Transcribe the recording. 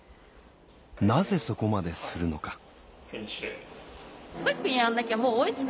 なぜそこまでするのか？